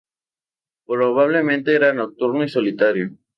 Probablemente era nocturno y solitario.